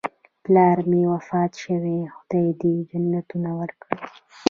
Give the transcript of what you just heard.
پلار مې وفات شوی، خدای دې جنتونه ورکړي